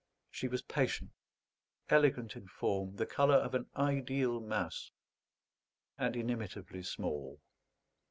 She was patient, elegant in form, the colour of an ideal mouse, and inimitably small.